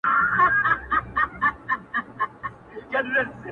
دا ستا په ياد كي بابولاله وايم ـ